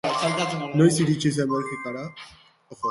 Noiz iritsi zen Belgikara?